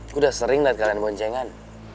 gue udah sering liat kalian boncengan